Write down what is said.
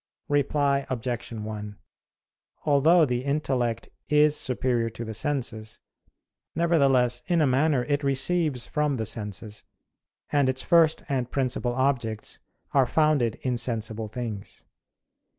Reply Obj. 1: Although the intellect is superior to the senses, nevertheless in a manner it receives from the senses, and its first and principal objects are founded in sensible things.